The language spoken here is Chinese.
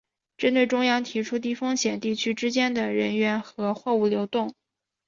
针对中央提出的低风险地区之间的人员和货物流动